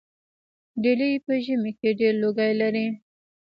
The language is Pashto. ډیلي په ژمي کې ډیر لوګی لري.